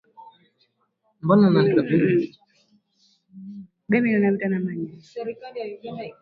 Zamani nchi hiyo kusini kwa Misri iliitwa kwa jumla Nubia sehemu